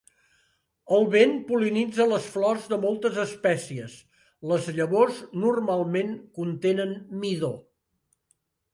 El vent pol·linitza les flors de moltes espècies; les llavors normalment contenen midó.